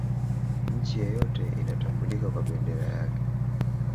nchi yoyote inatambulika kwa bendera yake